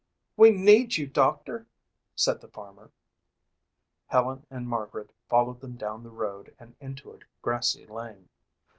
"We need you doctor," said the farmer. Helen and Margaret followed them down the road and into a grassy lane.